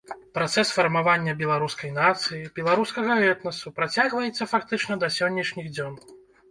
Працэс фармавання беларускай нацыі, беларускага этнасу працягваецца фактычна да сённяшніх дзён.